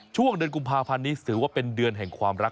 ช่วงเดือนกุมภาพันธ์นี้ถือว่าเป็นเดือนแห่งความรัก